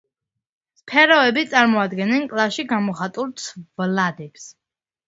სფეროები წარმოადგენენ კლასში გამოხატულ ცვლადებს.